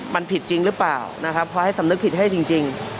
มันผิดจริงหรือเปล่านะครับพอให้สำนึกผิดให้จริง